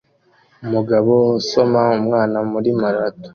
Umugabo usoma umwana muri marato